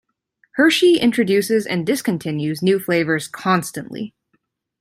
Hershey introduces and discontinues new flavors constantly.